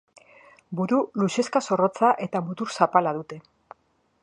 Buru luzexka zorrotza eta mutur zapala dute.